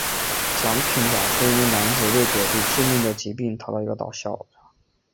作品讲述一名男子为躲避致命的疾病逃到一个小岛上。